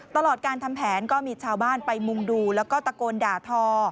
ตลอดการทำแผนก็มีชาวบ้านไปมุงดูแล้วก็ตะโกนด่าทอ